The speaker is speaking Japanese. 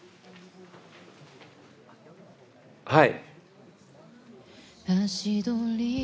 はい。